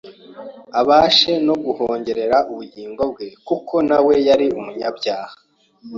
abashe no guhongerera ubugingo bwe, kuko nawe yari umunyabyaha.